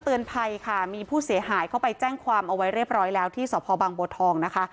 เตือนภัยค่ะมีผู้เสียหายเข้าไปแจ้งความเอาไว้เรียบร้อยแล้วที่สพบังบัวทองนะคะ